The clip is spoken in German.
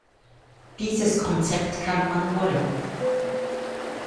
Dieses Konzept kann man wollen.